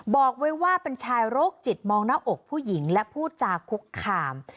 บอกไว้ว่าเป็นชายโรคจิตมองหน้าอกผู้หญิงและพูดจาคุกคาม